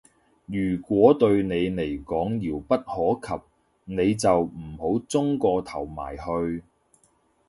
如果對你嚟講咁遙不可及，你就唔好舂個頭埋去